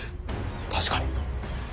確かに。